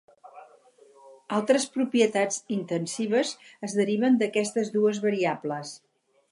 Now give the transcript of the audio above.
Altres propietats intensives es deriven d'aquestes dues variables.